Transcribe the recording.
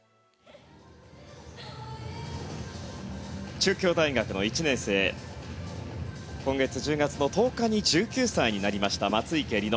中京大学の１年生今月１０月１０日に１９歳になりました松生理乃。